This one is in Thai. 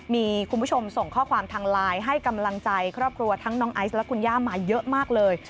มีคุณผู้ชมส่งข้อความทางไลน์ให้กำลังใจครอบครัวทั้งน้องไอซ์และคุณย่ามาเยอะมากเลย